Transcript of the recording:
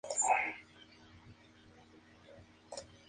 Aibar está situado en la parte este-centro de la Comunidad Foral de Navarra.